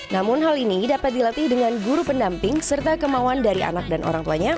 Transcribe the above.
namun hal ini dapat dilatih dengan guru pendamping serta kemauan dari anak dan orang tuanya